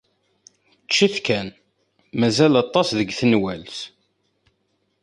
Ččet kan. Mazal aṭas deg tenwalt.